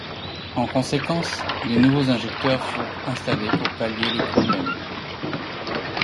En conséquence, des nouveaux injecteurs furent installés pour pallier le problème.